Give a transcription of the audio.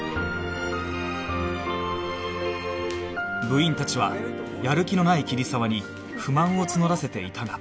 部員たちはやる気のない桐沢に不満を募らせていたが